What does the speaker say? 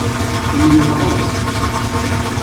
Myenɣent.